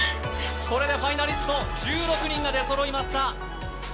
これでファイナリスト１６人が出そろいました。